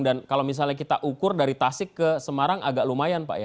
dan kalau misalnya kita ukur dari tasik ke semarang agak lumayan pak ya